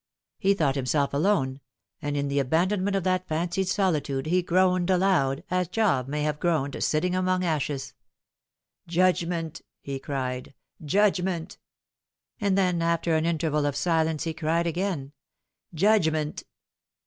He thought himself alone; and, in the abandonment of that fancied solitude, he groaned aloud, as Job may have groaned, sitting among ashes. " Judgment !" he cried, " judgment !" and then, after an interval of silence, he cried again, " judgment